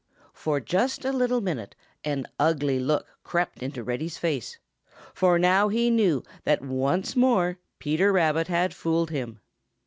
For just a little minute an ugly look crept into Reddy's face, for now he knew that once more Peter Rabbit had fooled him.